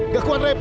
nggak kuat rep